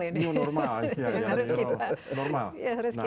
harus kita hadapi